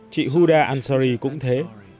chị huda ansari cũng thế